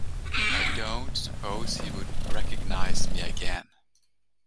I don’t suppose he would recognise me again.